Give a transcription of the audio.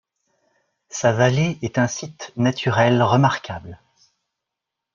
Sa vallée est un site naturel remarquable.